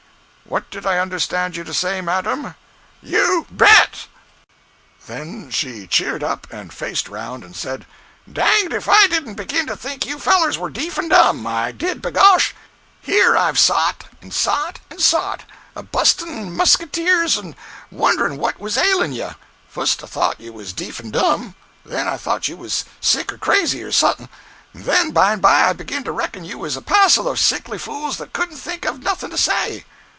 "What did I understand you to say, madam?" "You BET!" 027.jpg (31K) Then she cheered up, and faced around and said: "Danged if I didn't begin to think you fellers was deef and dumb. I did, b'gosh. Here I've sot, and sot, and sot, a bust'n muskeeters and wonderin' what was ailin' ye. Fust I thot you was deef and dumb, then I thot you was sick or crazy, or suthin', and then by and by I begin to reckon you was a passel of sickly fools that couldn't think of nothing to say.